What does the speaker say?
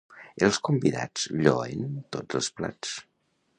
Els convidats lloen tots els plats.